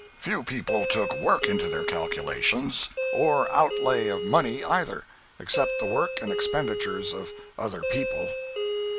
Few people took work into their calculations—or outlay of money either; except the work and expenditures of other people.